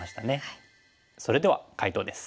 それでは解答です。